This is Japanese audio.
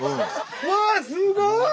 うわすごい。